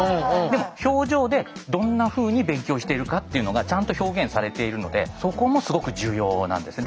でも表情でどんなふうに勉強してるかっていうのがちゃんと表現されているのでそこもすごく重要なんですね。